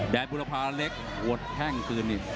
แดนพุทธภาพเล็กโหดแห้งคืนนี้